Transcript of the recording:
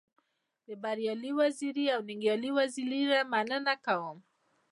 د بريالي وزيري او ننګيالي وزيري نه مننه کوم.